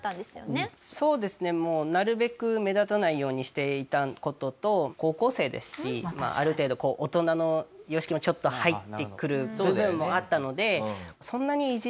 そうですねなるべく目立たないようにしていた事と高校生ですしある程度大人の良識もちょっと入ってくる部分もあったのでそんなに。